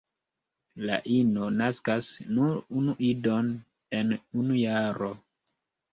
La ino naskas nur unu idon en unu jaro.